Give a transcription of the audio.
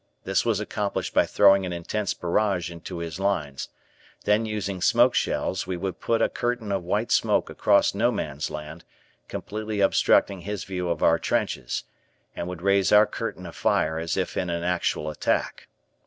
This was accomplished by throwing an intense barrage into his lines, then using smoke shells we would put a curtain of white smoke across No Man's Land, completely obstructing his view of our trenches, and would raise our curtain of fire as if in an actual attack.